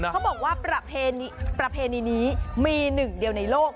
เขาบอกว่าประเพณีนี้มีหนึ่งเดียวในโลก